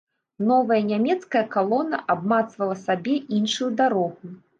Новая нямецкая калона абмацвала сабе іншую дарогу.